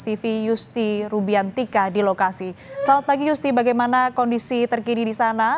tv yusti rubiantika di lokasi selamat pagi yusti bagaimana kondisi terkini di sana